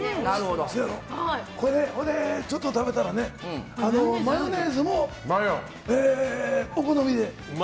ちょっと食べたらマヨネーズもお好みで。